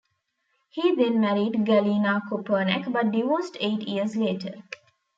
He then married Galina Kopernak but divorced eight years later.